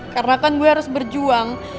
karena kan gue harus berjuang